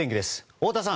太田さん。